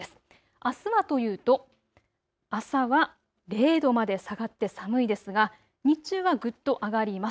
あすはというと朝は０度まで下がって寒いですが日中はぐっと上がります。